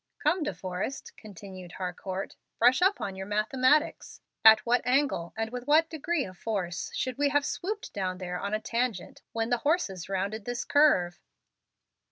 "Come, De Forrest," continued Harcourt, "brush up your mathematics. At what angle, and with what degree of force, should we have swooped down there on a tangent, when the horses rounded this curve?"